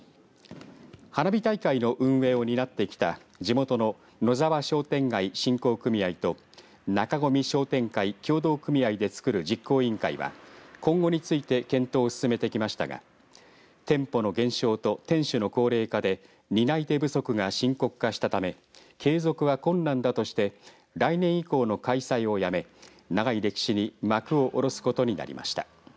花火大会の運営を担ってきた地元ののざわ商店街振興組合と中込商店会共同組合で作る実行委員会は今後について検討を進めてきましたが店舗の減少と店主の高齢化で担い手不足が深刻化したため継続は困難だとして来年以降の開催をやめ長い歴史に幕を下ろすことになりました。